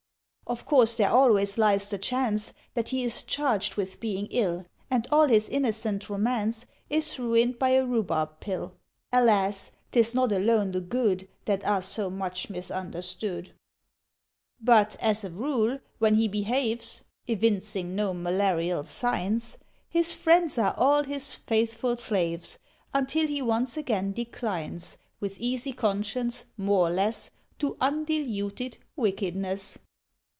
Of course there always lies the chance That he is charged with being ill, And all his innocent romance Is ruined by a rhubarb pill. (Alas! 'Tis not alone the Good That are so much misunderstood.) But, as a rule, when he behaves (Evincing no malarial signs), His friends are all his faithful slaves, Until he once again declines With easy conscience, more or less, To undiluted wickedness.